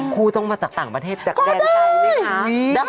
คู่ต้องมาจากต่างประเทศจากแดนใต้ไหมคะ